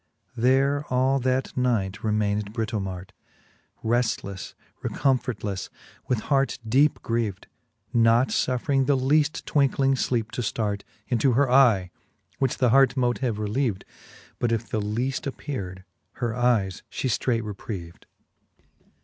There all that night remained Britomart^ Reftlefle, recomfortlefle, with heart deepe grieved. Not fuffering the leaft twinckling lleepe to ftart Into her eye, which th' heart mote have relieved. But if the leaft appeared, her eyes fhe ftreight reprieved.